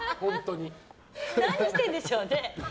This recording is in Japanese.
何してるんでしょうね。